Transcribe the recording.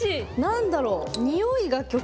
何だろう。